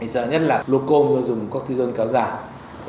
sợ nhất là glucom tôi dùng cortisone kéo dài